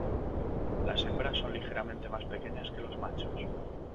Las hembras son ligeramente más pequeñas que los machos.